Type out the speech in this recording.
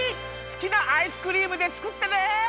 すきなアイスクリームでつくってね！